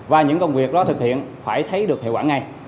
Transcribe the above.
và những công việc đó thực hiện phải thấy được hiệu quả ngay